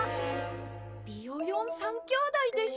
ビヨヨン３きょうだいでしょうか？